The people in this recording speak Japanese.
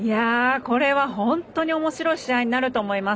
これは本当におもしろい試合になると思います。